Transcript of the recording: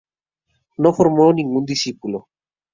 No formó a ningún discípulo.